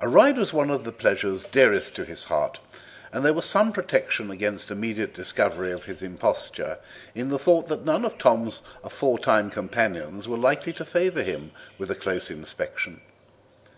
A ride was one of the pleasures dearest to his heart, and there was some protection against immediate discovery of his imposture in the thought that none of Tom's aforetime companions were likely to favour him with a close inspection.